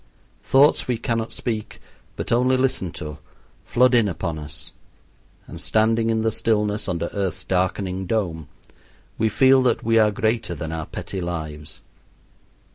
Thoughts we cannot speak but only listen to flood in upon us, and standing in the stillness under earth's darkening dome, we feel that we are greater than our petty lives.